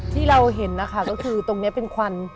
ที่เราเห็นนะคะก็คือตรงนี้เป็นควัน